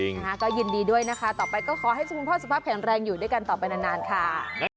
นะคะก็ยินดีด้วยนะคะต่อไปก็ขอให้คุณพ่อสุภาพแข็งแรงอยู่ด้วยกันต่อไปนานค่ะ